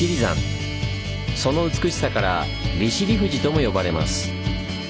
その美しさから「利尻富士」とも呼ばれます。